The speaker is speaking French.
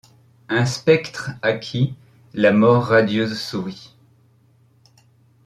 Un spectre à qui, la mort radieuse sourit.